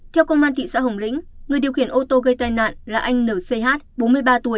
theo công an thị xã hồng lĩnh người điều khiển ô tô gây tai nạn là anh nch bốn mươi ba tuổi